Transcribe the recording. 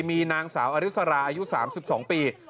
มีนางสาวอริสราอายุ๓๒ปี